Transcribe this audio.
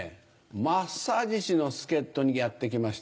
マッサージ師の助っ人にやって来ました。